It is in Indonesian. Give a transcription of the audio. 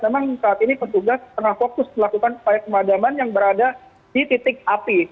namanya saat ini petugas tengah fokus melakukan pengadaman yang berada di titik api